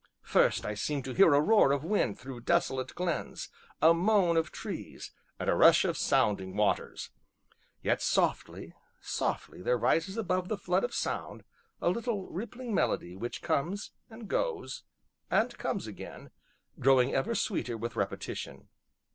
First I seemed to hear a roar of wind through desolate glens, a moan of trees, and a rush of sounding waters; yet softly, softly there rises above the flood of sound a little rippling melody which comes, and goes, and comes again, growing ever sweeter with repetition.